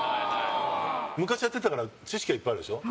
昔やってたから知識はいっぱいあるでしょ。